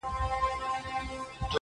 چي وخت د ښکار سي، تازي اسهال سي.